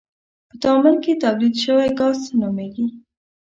په تعامل کې تولید شوی ګاز څه نومیږي؟